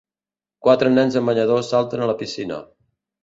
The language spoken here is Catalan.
Quatre nens amb banyador salten a la piscina.